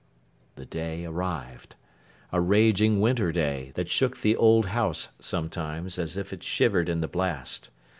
The day arrived. A raging winter day, that shook the old house, sometimes, as if it shivered in the blast.